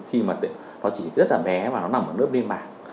khi mà nó chỉ rất là bé và nó nằm ở lớp đêm mạng